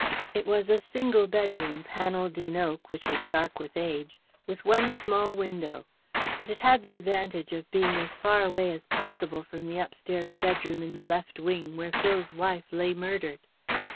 It was a single bedroom, panelled in oak, which was dark with age, with one small window; but it had the advantage of being as far away as possible from the upstairs bedroom in the left wing where Phil's wife lay murdered.